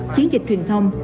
chiến dịch truyền thông